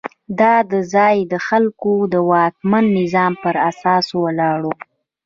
دا د ځايي خلکو او واکمن نظام پر اساساتو ولاړ وو.